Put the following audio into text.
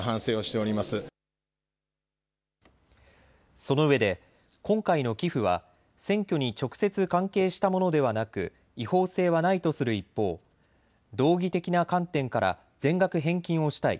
そのうえで今回の寄付は選挙に直接関係したものではなく違法性はないとする一方、道義的な観点から全額返金をしたい。